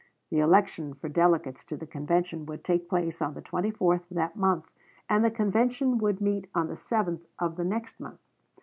The election for delegates to the convention would take place on the 24th of that month, and the convention would meet on the 7th of the next month.